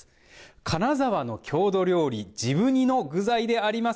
金沢の郷土料理治部煮の具材であります